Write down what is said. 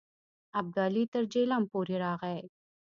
ابدالي تر جیهلم پورې راغی.